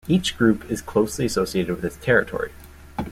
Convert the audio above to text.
Each group is closely associated with its territory.